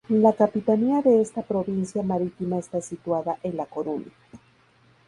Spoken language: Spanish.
La capitanía de esta provincia marítima está situada en La Coruña.